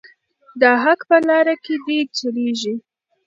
د حق په لاره کې دې چلیږي.